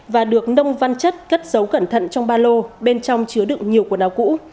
và được nông văn chất cất dấu cẩn thận trong ba lô bên trong chứa đựng nhiều quần áo cũ